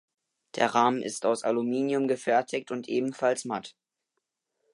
Der Rahmen ist aus Aluminium gefertigt und ebenfalls matt.